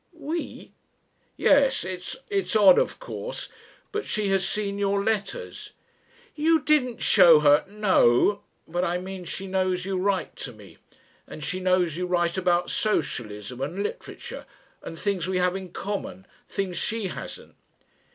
"We?" "Yes it's odd, of course. But she has seen your letters " "You didn't show her ?" "No. But, I mean, she knows you write to me, and she knows you write about Socialism and Literature and things we have in common things she hasn't."